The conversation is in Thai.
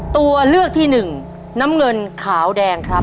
ตัวเลือกที่หนึ่งน้ำเงินขาวแดงครับ